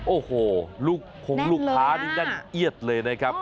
โอ้โหลูกคงลูกค้านี่แน่นเอียดเลยนะครับ